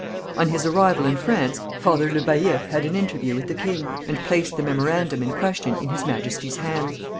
On his arrival in France, Father Le Baillif had an interview with the king, and placed the memorandum in question in His Majesty's hands.